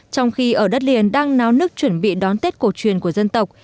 trong khi ở đất liền đang náo nước chuẩn bị đón tết cổ truyền của dân tộc